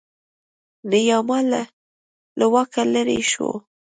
نیاما له واکه لرې شو.